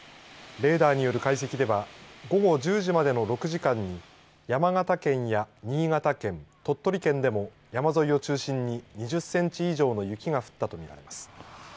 レーダーによる解析では午後１０時までの６時間に山形県や新潟県鳥取県でも山沿いを中心に２０センチ以上の雪が降ったとみられます。